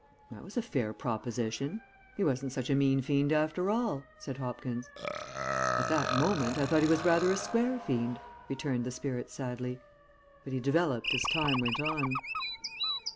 '" "That was a fair proposition he wasn't such a mean fiend after all," said Hopkins. "At that moment I thought he was rather a square fiend," returned the spirit sadly; "but he developed as time went on."